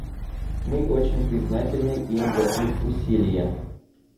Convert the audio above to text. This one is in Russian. Мы очень признательны им за их усилия.